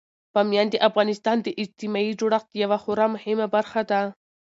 بامیان د افغانستان د اجتماعي جوړښت یوه خورا مهمه برخه ده.